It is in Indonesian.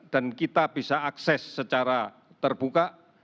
dan kita bisa akses secara terbuka